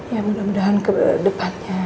ya mudah mudahan ke depannya